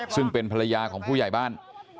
ซึ่งเป็นภรรยาของผู้ใหญ่บ้าน